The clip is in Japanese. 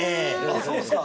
あっそうですか？